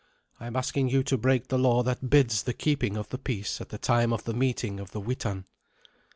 I am asking you to break the law that bids the keeping of the peace at the time of the meeting of the Witan."